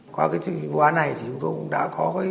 qua cái vụ án này thì chúng tôi cũng đã có